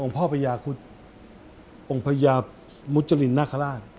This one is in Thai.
องค์พระเมดาุมุจริงข่าวราช